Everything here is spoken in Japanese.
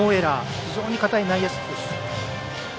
非常に堅い内野守備です。